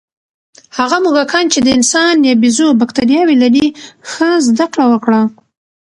هغه موږکان چې د انسان یا بیزو بکتریاوې لري، ښه زده کړه وکړه.